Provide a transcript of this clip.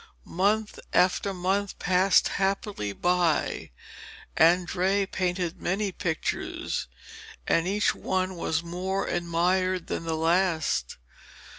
Month after month passed happily by. Andrea painted many pictures, and each one was more admired than the last.